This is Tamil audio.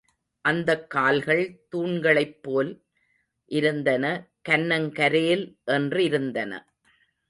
அந்தக் கால்கள் தூண்களைப் போல் இருந்தன கன்னங்கரேல் என்றிருந்தன.